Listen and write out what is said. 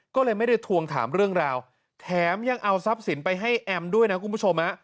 ก็เลยไม่ได้ทวงถามเรื่องราวแถมยังเอาทรัพย์สินไปให้แอมด้วยนะคุณผู้ชม